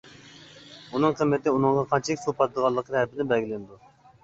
ئۇنىڭ قىممىتى ئۇنىڭغا قانچىلىك سۇ پاتىدىغانلىقى تەرىپىدىن بەلگىلىنىدۇ.